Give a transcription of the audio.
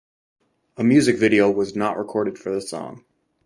A music video was not recorded for the song.